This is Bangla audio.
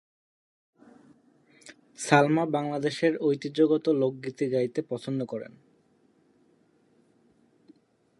সালমা বাংলাদেশের ঐতিহ্যগত লোক গীতি গাইতে পছন্দ করেন।